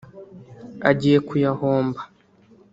agiye kuyahomba